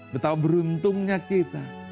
betapa beruntungnya kita